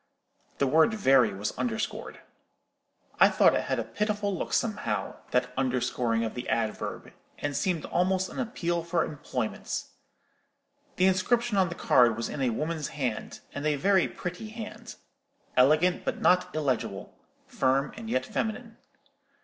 The word 'very' was underscored. I thought it had a pitiful look somehow, that underscoring of the adverb, and seemed almost an appeal for employment. The inscription on the card was in a woman's hand, and a very pretty hand—elegant but not illegible, firm and yet feminine.